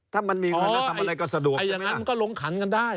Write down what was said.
ถ้ามันมีเงินทำอะไรก็สะดวกใช่ไหมครับโอ้โฮไอ้อย่างนั้นก็ลงขันกันได้